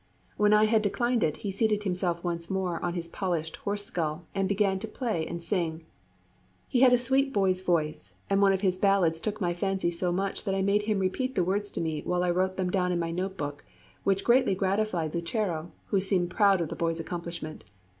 When I had declined it, he seated himself once more on his polished horse skull and began to play and sing. He had a sweet boy's voice, and one of his ballads took my fancy so much that I made him repeat the words to me while I wrote them down in my notebook, which greatly gratified Lucero, who seemed proud of the boy's accomplishment.